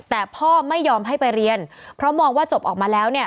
แต่พ่อไม่ยอมให้ไปเรียนเพราะมองว่าจบออกมาแล้วเนี่ย